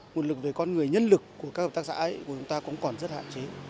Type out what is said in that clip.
nguồn lực về con người nhân lực của các hợp tác xã ấy của chúng ta cũng còn rất hạn chế